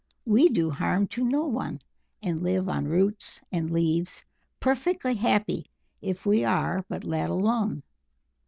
"We do harm to no one, and live on roots and leaves, perfectly happy if we are but let alone.